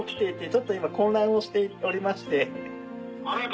ちょっと今混乱をしておりまして。